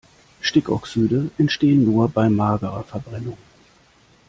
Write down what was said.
Stickoxide entstehen nur bei magerer Verbrennung.